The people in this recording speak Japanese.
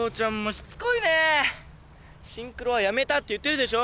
シンクロはやめたって言ってるでしょ。